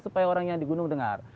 supaya orang yang di gunung dengar